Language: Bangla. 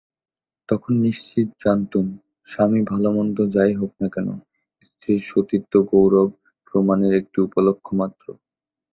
তখন নিশ্চিত জানতুম, স্বামী ভালোমন্দ যাই হোক-না কেন স্ত্রীর সতীত্বগৌরব প্রমাণের একটা উপলক্ষমাত্র।